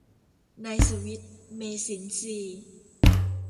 นายสุวิทย์ เมษินทรีย์